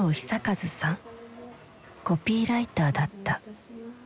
コピーライターだった。